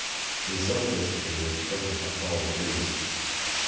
In some places they were obstructed by fallen trees.